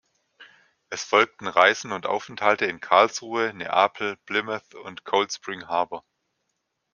Es folgten Reisen und Aufenthalte in Karlsruhe, Neapel, Plymouth und Cold Spring Harbor.